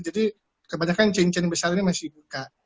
jadi kebanyakan chain chain yang besar ini masih buka